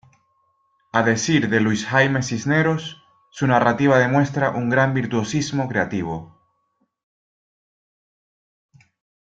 A decir de Luis Jaime Cisneros, su narrativa demuestra un gran virtuosismo creativo.